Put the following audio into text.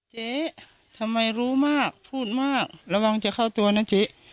เจ๊ทำไมรู้มากพูดมากระวังจะเข้าตัวนะเจ๊